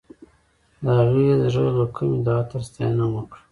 هغې د زړه له کومې د عطر ستاینه هم وکړه.